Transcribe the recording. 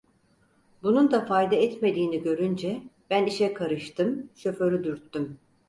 Bunun da fayda etmediğini görünce ben işe karıştım, şoförü dürttüm: